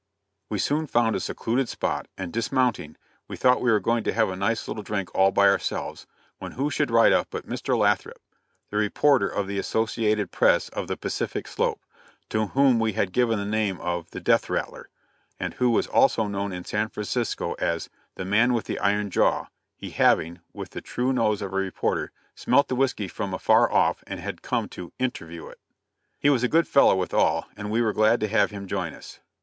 We soon found a secluded spot, and dismounting, we thought we were going to have a nice little drink all by ourselves, when who should ride up but Mr. Lathrop, the Reporter of the Associated Press of the Pacific slope to whom we had given the name of the "Death Rattler," and who was also known in San Francisco as "the man with the iron jaw," he having, with the true nose of a Reporter, smelt the whiskey from afar off, and had come to "interview" it. He was a good fellow withal, and we were glad to have him join us.